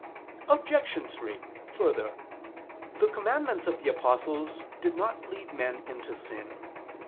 Obj. 3: Further, the commands of the apostles did not lead men into sin.